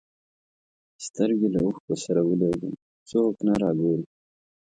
سترګي له اوښکو سره ولېږم څوک نه را ګوري